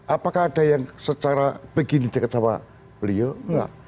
apakah ada yang secara begini dekat sama beliau enggak